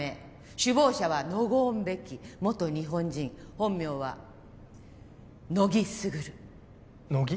首謀者はノゴーン・ベキ元日本人本名は乃木卓乃木？